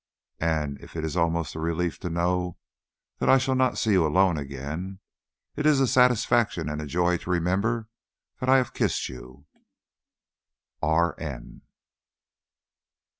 And if it is almost a relief to know that I shall not see you alone again, it is a satisfaction and a joy to remember that I have kissed you. R.N.